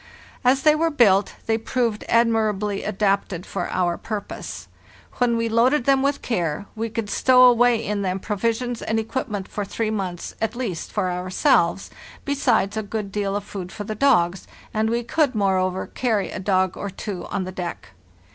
As they were built they proved admirably adapted for our purpose. When we loaded them with care we could stow away in them provisions and equipment for three months at least WE PREPARE LOR THE SLEDGE EXPEDITION 13 for ourselves, besides a good deal of food for the dogs; and we could, moreover, carry a dog or two on the deck.